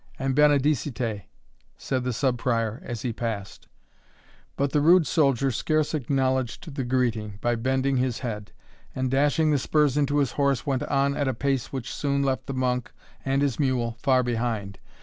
"Good even, my son, and benedicite," said the Sub Prior as he passed; but the rude soldier scarce acknowledged the greeting, by bending his head; and dashing the spurs into his horse, went on at a pace which soon left the monk and his mule far behind.